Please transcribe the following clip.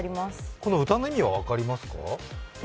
この歌の意味は分かりますか？